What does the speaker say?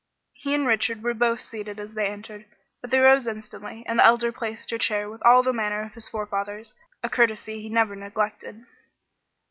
He and Richard were both seated as they entered, but they rose instantly, and the Elder placed her chair with all the manner of his forefathers, a courtesy he never neglected.